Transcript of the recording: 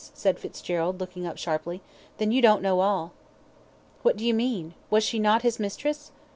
said Fitzgerald, looking up sharply "then you don't know all." "What do you mean was she not his mistress?"